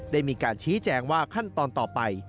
ได้มีการชี้แจงว่าขั้นตอนต่อไป